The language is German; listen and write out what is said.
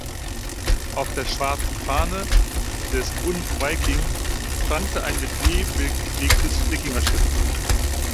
Auf der schwarzen Fahne des „Bund Wiking“ prangte ein mit einem „E“ belegtes Wikingerschiff.